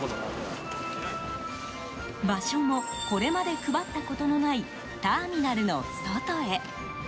場所もこれまで配ったことのないターミナルの外へ。